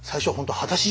果たし状！